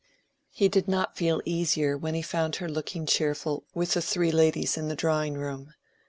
He did not feel easier when he found her looking cheerful with the three ladies in the drawing room.